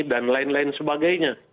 dan lain lain sebagainya